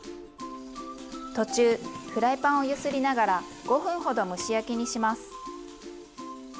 途中フライパンを揺すりながら５分ほど蒸し焼きにします。